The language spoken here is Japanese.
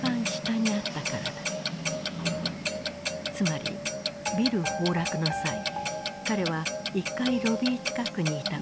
つまりビル崩落の際彼は１階ロビー近くにいたことになる。